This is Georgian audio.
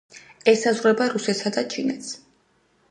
ესაზღვრება რუსეთსა და ჩინეთს.